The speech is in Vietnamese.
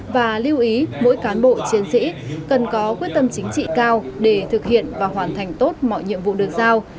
và lưu ý mỗi cán bộ chiến sĩ cần có quyết tâm chính trị cao để thực hiện và hoàn thành tốt mọi nhiệm vụ được giao